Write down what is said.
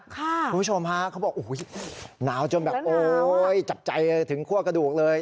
คุณผู้ชมฮะเขาบอกโอ้โหหนาวจนแบบโอ๊ยจับใจถึงคั่วกระดูกเลย